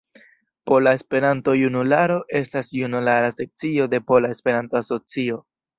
Pola Esperanto-Junularo estas junulara sekcio de Pola Esperanto-Asocio.